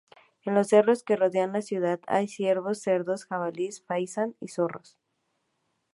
En los cerros que rodean la ciudad, hay ciervos, cerdos jabalí, faisán y zorro.